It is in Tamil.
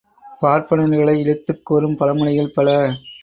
பார்ப்பனர்களை இழித்துக் கூறும் பழமொழிகள் பல.